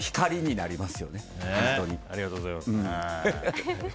ありがとうございます。